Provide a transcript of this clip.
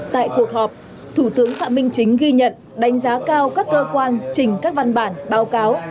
tại cuộc họp thủ tướng phạm minh chính ghi nhận đánh giá cao các cơ quan trình các văn bản báo cáo